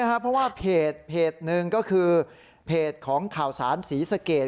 เพราะว่าเพจหนึ่งก็คือเพจของข่าวสารศรีสะเกด